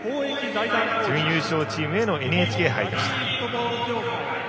準優勝チームへのＮＨＫ杯でした。